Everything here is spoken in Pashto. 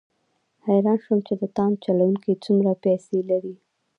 حیران شوم چې د تاند چلوونکي څومره پیسې لري.